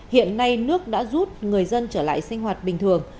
hiện nay nước đã rút người dân trở lại sinh hoạt bình thường